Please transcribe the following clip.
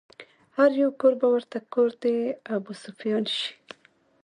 هر يو کور به ورته کور د ابوسفيان شي